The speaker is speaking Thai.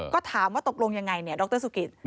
ก็ถามว่าตกลงยังไงเนี่ยดรสุกิต